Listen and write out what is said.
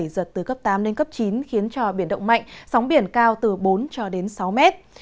giật từ cấp tám đến cấp chín khiến cho biển động mạnh sóng biển cao từ bốn cho đến sáu mét